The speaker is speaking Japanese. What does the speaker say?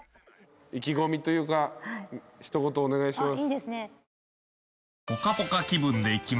意気込みというか一言お願いします。